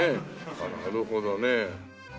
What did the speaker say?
ああなるほどね。